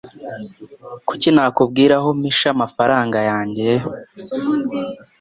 Kuki nakubwira aho mpisha amafaranga yanjye?